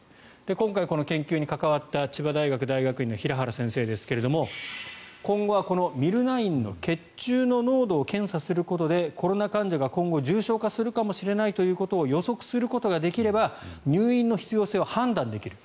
今回、研究に関わった千葉大学病院の平原先生ですが今後はこのＭｙｌ９の血中の濃度を検査することでコロナ患者が今後、重症化するかもしれないということを予測することができれば入院の必要性を判断できる。